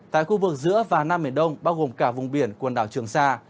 tại khu vực giữa và nam biển đông bao gồm cả vùng biển quần đảo trường sa